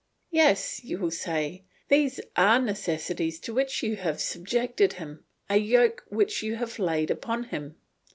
"Yes," you will say, "these are necessities to which you have subjected him, a yoke which you have laid upon him."